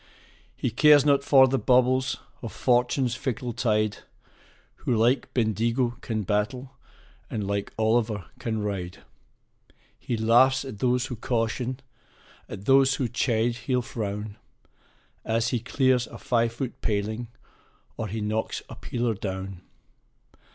He cares not for the bubbles of Fortune's fickle tide, Who like Bendigo can battle, and like Olliver can ride. He laughs at those who caution, at those who chide he'll frown, As he clears a five foot paling, or he knocks a peeler down.